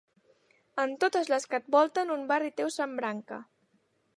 En totes les que et volten un barri teu s'embranca.